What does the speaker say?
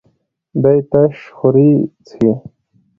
دی تش خوري څښي.